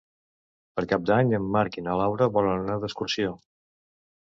Per Cap d'Any en Marc i na Laura volen anar d'excursió.